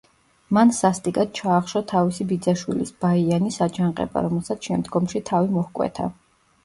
მან სასტიკად ჩაახშო თავისი ბიძაშვილის, ბაიანის აჯანყება, რომელსაც შემდგომში თავი მოჰკვეთა.